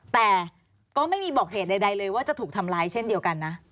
แต่ก็ไม่มีบอกเหตุใดเลยว่าจะถูกทำร้ายเช่นเดียวกันนะ